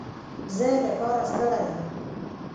زه له کاره ستړی یم.